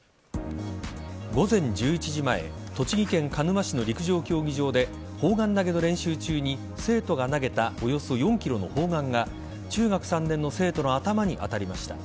午前１１時前栃木県鹿沼市の陸上競技場で砲丸投げの練習中に生徒が投げたおよそ４ｋｇの砲丸が中学３年の生徒の頭に当たりました。